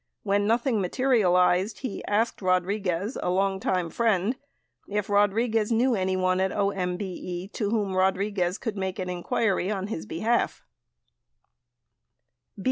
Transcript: When nothing materialized, he asked Rodriguez, a longtime friend, if Rodriguez knew anyone at OMBE to whom Rodriguez could make an inquiry on his behalf.